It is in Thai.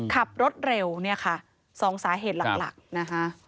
ขับรถเร็วเนี่ยค่ะสองสาเหตุหลักนะคะ